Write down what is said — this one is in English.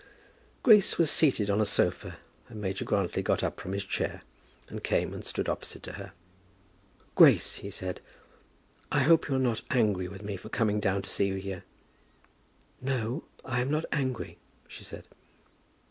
Grace was seated on a sofa, and Major Grantly got up from his chair, and came and stood opposite to her. "Grace," he said, "I hope you are not angry with me for coming down to see you here." "No, I am not angry," she said.